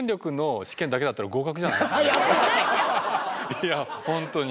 いや本当に。